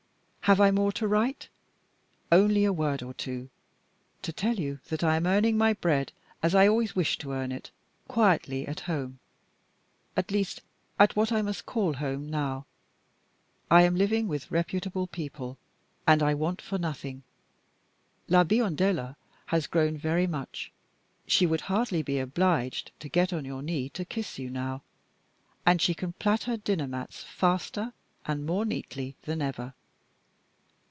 Have I more to write? Only a word or two, to tell you that I am earning my bread, as I always wished to earn it, quietly at home at least, at what I must call home now. I am living with reputable people, and I want for nothing. La Biondella has grown very much; she would hardly be obliged to get on your knee to kiss you now; and she can plait her dinner mats faster and more neatly than ever.